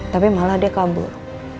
tapi malah dia kabur